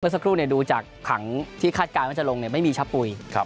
สักครู่ดูจากผังที่คาดการณ์ว่าจะลงไม่มีชะปุ๋ย